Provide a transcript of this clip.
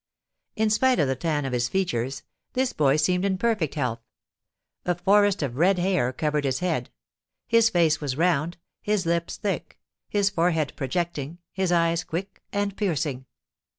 In spite of the tan of his features, this boy seemed in perfect health; a forest of red hair covered his head; his face was round, his lips thick, his forehead projecting, his eyes quick and piercing.